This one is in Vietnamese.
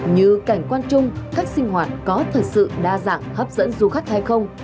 như cảnh quan trung khách sinh hoạt có thật sự đa dạng hấp dẫn du khách hay không